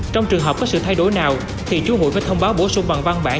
trong trường hợp có sự thay đổi nào thì chủ hùi phải thông báo bổ sung bằng văn bản